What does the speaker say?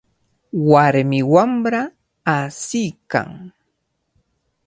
Warmi wamra asiykan.